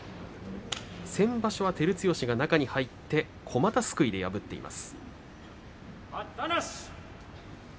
先場所、照強が中に入ってこまたすくいで破っています。